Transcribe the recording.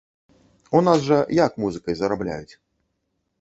У нас жа як музыкай зарабляюць?